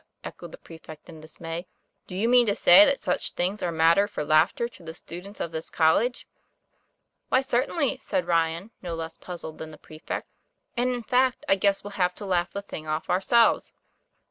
echoed the prefect in dismay; " do you mean to say that such things are matter for laughter to the students of this college?" 'Why, certainly," said Ryan, no less puzzled than the prefect. ;' And, in fact, I guess we'll have to laugh the thing off ourselves."